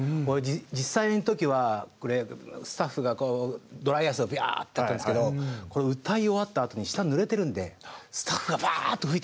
実際の時はこれスタッフがドライアイスをビャーッとやったんですけど歌い終わったあとに下ぬれてるんでスタッフがバーッと拭いた。